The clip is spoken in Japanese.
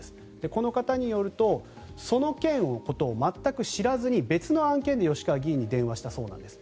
この方によるとその件のことを全く知らずに別の案件で吉川議員に電話したそうなんです。